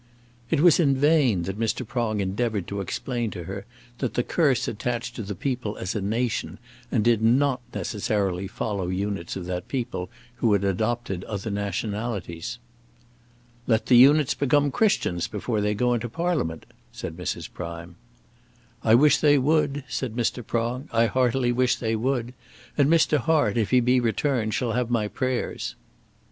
It was in vain that Mr. Prong endeavoured to explain to her that the curse attached to the people as a nation, and did not necessarily follow units of that people who had adopted other nationalities. "Let the units become Christians before they go into Parliament," said Mrs. Prime. "I wish they would," said Mr. Prong. "I heartily wish they would: and Mr. Hart, if he be returned, shall have my prayers."